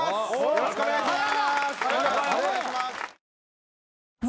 よろしくお願いします。